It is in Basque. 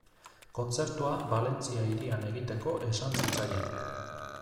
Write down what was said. Kontzertua Valentzia hirian egiteko esan zitzaien.